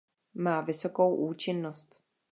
Má vysokou účinnost.